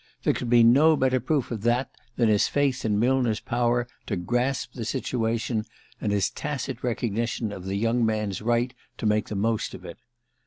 There could be no better proof of that than his faith in Millner's power to grasp the situation, and his tacit recognition of the young man's right to make the most of it.